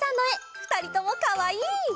ふたりともかわいい！